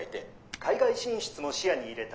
「海外進出も視野に入れた」。